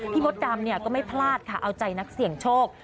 มดดำก็ไม่พลาดค่ะเอาใจนักเสี่ยงโชค